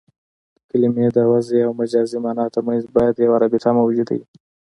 د کلمې د وضعي او مجازي مانا ترمنځ باید یوه رابطه موجوده يي.